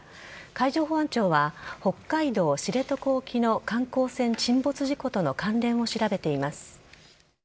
海上保安庁は北海道知床沖の観光船沈没事故との関連を調べています。